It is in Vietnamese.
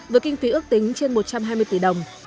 với kinh phí ước tính trên một trăm hai mươi tỷ đồng